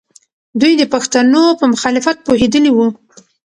دوی د پښتنو په مخالفت پوهېدلې وو.